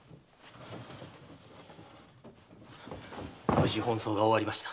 無事本葬が終わりました。